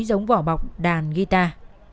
giống vỏ bọc đàn guitar